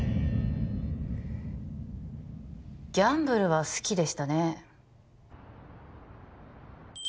ギャンブルは好きでしたね